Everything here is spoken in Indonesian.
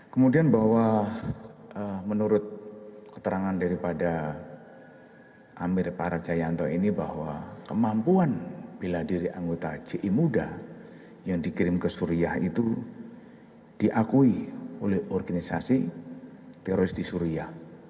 kemudian bahwa menurut keterangan daripada amir parajayanto ini bahwa kemampuan bela diri anggota ji muda yang dikirim ke suriah itu diakui oleh organisasi teroris di suria